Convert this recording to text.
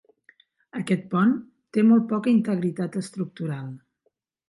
Aquest pont té molt poca integritat estructural.